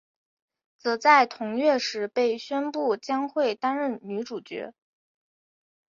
则在同月时被宣布将会担任女主角。